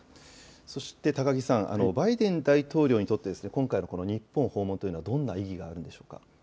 そして高木さん、バイデン大統領にとって今回この日本訪問というのはどんな意義があるんでしょうか。